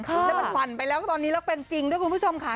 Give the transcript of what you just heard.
แล้วมันหวั่นไปแล้วตอนนี้แล้วเป็นจริงด้วยคุณผู้ชมค่ะ